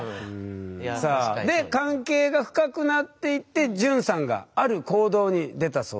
さあで関係が深くなっていって潤さんがある行動に出たそうです。